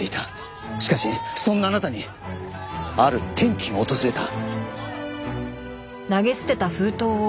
しかしそんなあなたにある転機が訪れた。